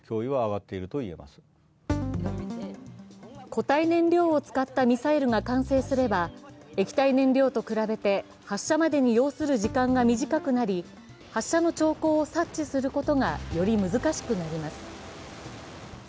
固体燃料を使ったミサイルが完成すれば、液体燃料と比べて発射までに要する時間が短くなり発射の兆候を察知することがより難しくなります。